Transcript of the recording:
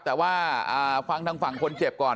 แต่ว่าฟังทางฝั่งคนเจ็บก่อน